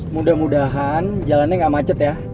mudah mudahan jalannya gak macet ya